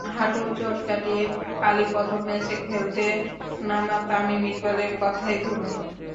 হাঁটুর চোট কাটিয়ে কালই প্রথম ম্যাচ খেলতে নামা তামিম ইকবালের কথাই ধরুন।